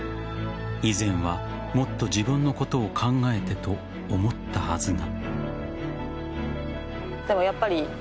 以前は、もっと自分のことを考えてと思ったはずが。